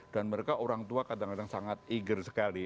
dan mereka orang tua kadang kadang sangat eager sekali